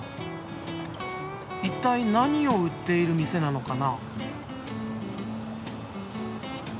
一体何を売っている店なのかな。